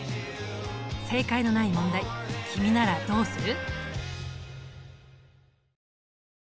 正解のない問題君ならどうする？